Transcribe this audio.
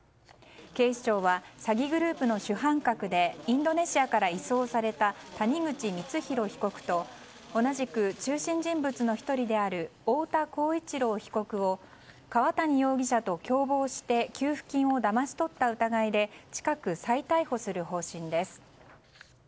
警視庁は詐欺グループの主犯格でインドネシアから移送された谷口光弘被告と同じく中心人物の１人である太田浩一朗被告を川谷容疑者と共謀して、給付金をだまし取った疑いで近く再逮捕する方針です。